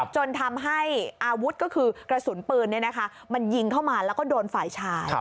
จนทำให้อาวุธก็คือกระสุนปืนมันยิงเข้ามาแล้วก็โดนฝ่ายชาย